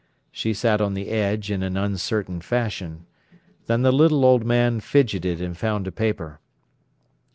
She sat on the edge in an uncertain fashion. Then the little old man fidgeted and found a paper.